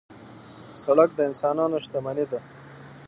سړک د انسانانو شتمني ده.